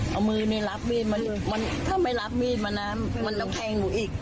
เอามือนี่รับมีดมันถ้าไม่รับมีดมานะมันต้องแทงหนูอีก